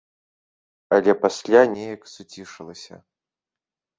Але пасля неяк суцішылася.